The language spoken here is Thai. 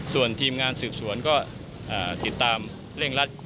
ส่วนทีมงานสืบสวนก็ติดตามเร่งรัด